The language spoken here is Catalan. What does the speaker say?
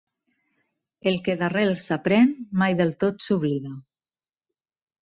El que d'arrel s'aprèn, mai del tot s'oblida